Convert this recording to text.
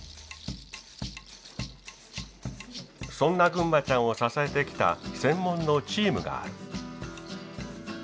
そんなぐんまちゃんを支えてきた専門のチームがある。